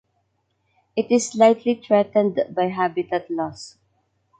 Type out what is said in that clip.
It is slightly threatened by habitat loss.